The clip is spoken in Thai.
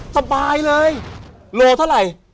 สบายเลยโลเท่าไหร่